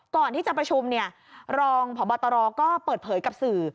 ก่อนที่จะประชุมเนี่ยรองพบตรก็เปิดเผยกับสื่อ